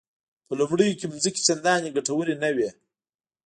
په لومړیو کې ځمکې چندانې ګټورې نه وې.